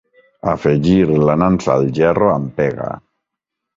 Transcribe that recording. Afegir la nansa al gerro amb pega.